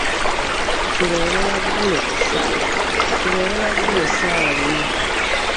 Tubeera baggule ssaawa bina.